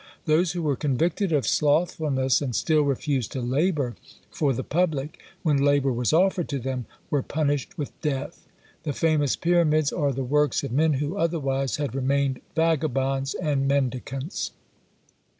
Those who were convicted of slothfulness, and still refused to labour for the public when labour was offered to them, were punished with death. The famous Pyramids are the works of men who otherwise had remained vagabonds and mendicants.